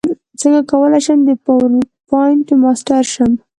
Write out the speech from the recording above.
څنګه کولی شم د پاورپاینټ ماسټر شم